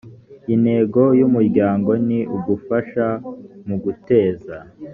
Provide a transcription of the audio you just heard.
intego y umuryango ni ugufasha mu guteza